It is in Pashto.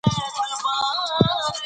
ډېر، ډېرېدنه، ډېرېدل، ډېروالی